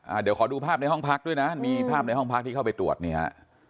เดี๋ยวขอดูภาพในห้องพักด้วยนะมีภาพในห้องพักที่เข้าไปตรวจนี่ฮะ